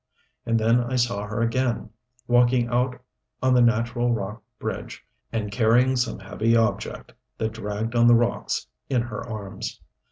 And then I saw her again, walking out on the natural rock bridge, and carrying some heavy object, that dragged on the rocks, in her arms.